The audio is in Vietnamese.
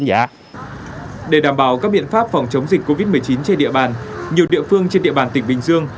để đảm bảo các biện pháp phòng chống dịch covid một mươi chín trên địa bàn nhiều địa phương trên địa bàn tỉnh bình dương